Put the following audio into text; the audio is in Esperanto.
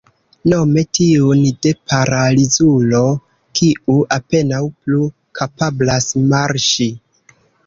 Nome tiun de paralizulo, kiu apenaŭ plu kapablas marŝi.